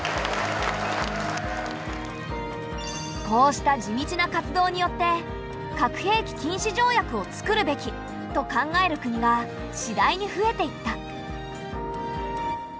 こうした地道な活動によって「核兵器禁止条約を作るべき」と考える国が次第に増えていった。